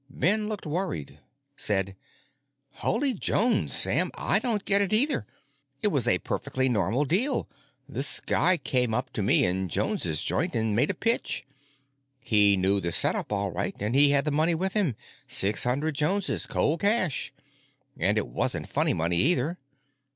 Ben, looking worried, said, "Holy Jones, Sam, I don't get it either. It was a perfectly normal deal. This guy came up to me in Jones's Joint and made a pitch. He knew the setup all right, and he had the money with him. Six hundred Joneses, cold cash; and it wasn't funny money, either."